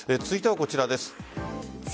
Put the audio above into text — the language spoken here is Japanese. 続いてはこちらです。